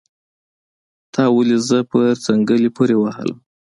تا ولې زه په څنګلي پوري وهلم